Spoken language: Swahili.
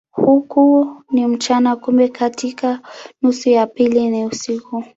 Huko ni mchana, kumbe katika nusu ya pili ni usiku.